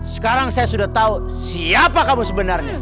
sekarang saya sudah tahu siapa kamu sebenarnya